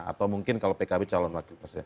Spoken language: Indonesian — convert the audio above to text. atau mungkin kalau pkb calon wakil presiden